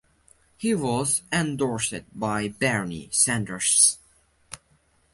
He was endorsed by Bernie Sanders.